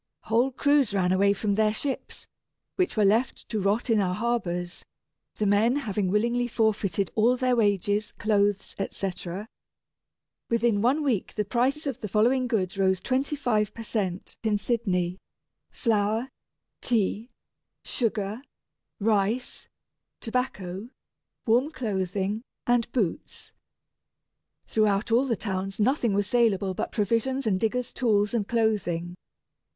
Whole crews ran away from their ships, which were left to rot in our harbours, the men having willingly forfeited all their wages, clothes, etc. Within one week the prices of the following goods rose twenty five per cent. in Sydney: flour, tea, sugar, rice, tobacco, warm clothing, and boots. Throughout all the towns nothing was saleable but provisions and diggers' tools and clothing.